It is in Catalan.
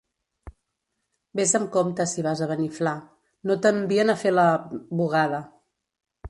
Ves amb compte si vas a Beniflà: no t'envien a fer la... bugada.